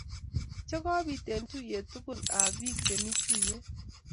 chekobit eng tuyet tugul ab bik chemi tuyet